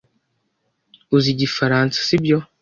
Uzi Igifaransa, sibyo?